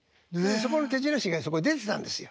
そこの手品師がそこに出てたんですよ。